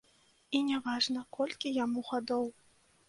І не важна, колькі яму гадоў.